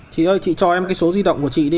chị ơi chị cho em cái số di động của chị đi